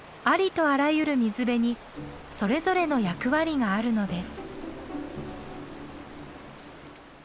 ありとあらゆる水辺にそれぞれの役割があるのです。